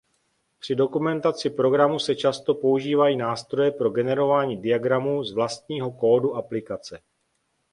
Při dokumentaci programu se často používají nástroje pro generování diagramů z vlastního kódu aplikace.